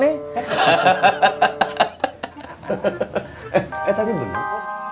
eh tapi bener